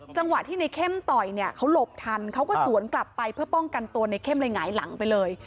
จังหวะที่ในเข้มต่อยเนี่ยเขาหลบทันเขาก็สวนกลับไปเพื่อป้องกันตัวในเข้มเลยหงายหลังไปเลย